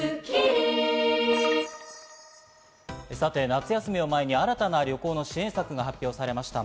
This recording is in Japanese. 夏休みを前に、新たな旅行の支援策が発表されました。